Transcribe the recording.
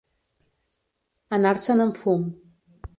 Anar-se'n en fum.